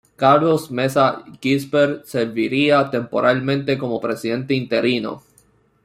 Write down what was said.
Carlos Mesa Gisbert serviría temporalmente como presidente interino.